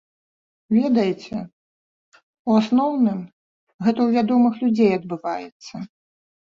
Ведаеце, у асноўным, гэта ў вядомых людзей адбываецца.